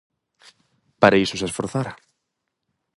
Para iso se esforzara.